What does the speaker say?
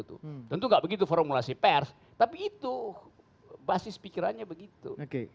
tentu nggak begitu formulasi pers tapi itu basis pikirannya begitu